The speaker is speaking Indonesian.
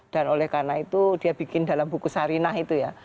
dan oleh karena itu dia bikin dalam buku sarinah itu ya